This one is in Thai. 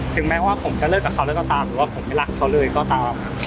ถึงแม้ว่าผมจะเลิกกับเขาแล้วก็ตามหรือว่าผมไม่รักเขาเลยก็ตาม